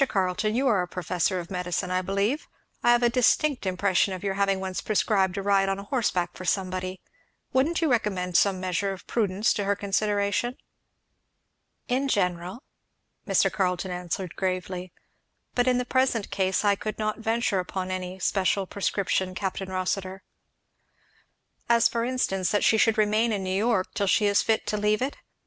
Carleton, you are a professor of medicine, I believe, I have an indistinct impression of your having once prescribed a ride on horseback for somebody; wouldn't you recommend some measure of prudence to her consideration?" "In general," Mr. Carleton answered gravely; "but in the present case I could not venture upon any special prescription, Capt. Rossitur." "As for instance, that she should remain in New York till she is fit to leave it?